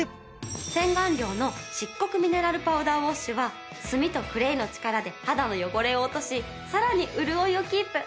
洗顔料の漆黒ミネラルパウダーウォッシュは炭とクレイの力で肌の汚れを落としさらに潤いをキープ。